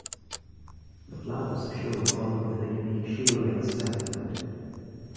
The flowers show a column with a unique shield-like staminode.